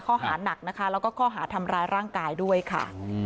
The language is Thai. ข้อหานักนะคะแล้วก็ข้อหาทำร้ายร่างกายด้วยค่ะ